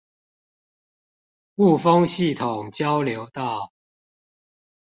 霧峰系統交流道